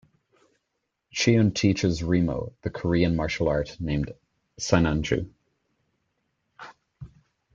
Chiun teaches Remo the Korean martial art named "Sinanju".